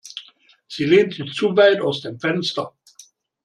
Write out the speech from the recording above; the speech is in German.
Sie lehnt sich zu weit aus dem Fenster.